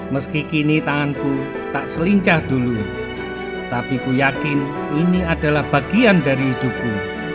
meski kini tanganku tak selincah dulu tapi ku yakin ini adalah bagian dari hidupku